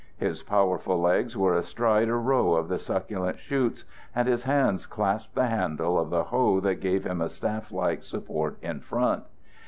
His powerful legs were astride a row of the succulent shoots, and his hands clasped the handle of the hoe that gave him a staff like support in front.